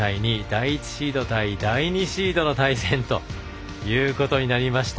第１シード対第２シードの対戦ということになりました。